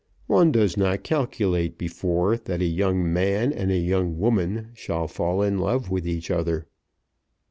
One does not calculate before that a young man and a young woman shall fall in love with each other."